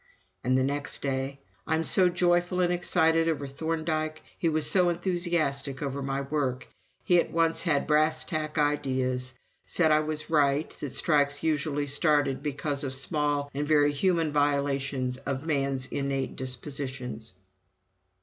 And the next day: "I'm so joyful and excited over Thorndike. He was so enthusiastic over my work. ... He at once had brass tack ideas. Said I was right that strikes usually started because of small and very human violations of man's innate dispositions."